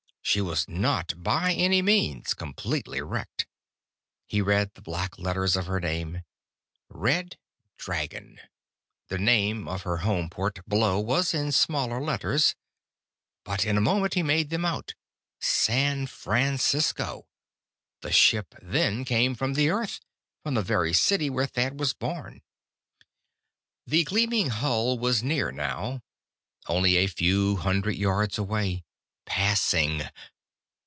She was not, by any means, completely wrecked. He read the black letters of her name. Red Dragon. The name of her home port, below, was in smaller letters. But in a moment he made them out. San Francisco. The ship then came from the Earth! From the very city where Thad was born! The gleaming hull was near now. Only a few hundred yards away. Passing.